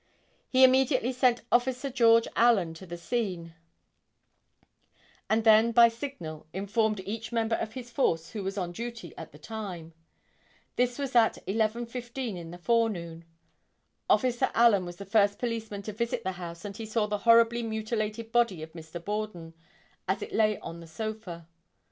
He immediately sent officer George Allen to the scene and then by signal informed each member of his force who was on duty at the time. This was at 11:15 in the forenoon. Officer Allen was the first policeman to visit the house and he saw the horribly mutilated body of Mr. Borden, as it lay on the sofa.